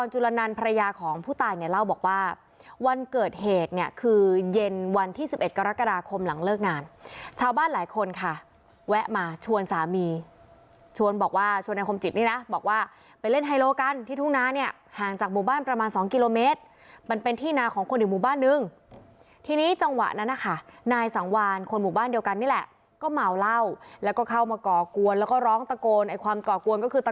หลังเลิกงานชาวบ้านหลายคนค่ะแวะมาชวนสามีชวนบอกว่าชวนในคมจิตนี่น่ะบอกว่าไปเล่นไฮโลกันที่ทุกน้านเนี้ยห่างจากหมู่บ้านประมาณสองกิโลเมตรมันเป็นที่นาของคนอยู่หมู่บ้านหนึ่งทีนี้จังหวะนั้นนะคะนายสังวัลคนหมู่บ้านเดียวกันนี่แหละก็เหมาเล่าแล้วก็เข้ามาก่อกวนแล้วก็ร้องตะโกนไอ้ความก่อกวนก็คือตะ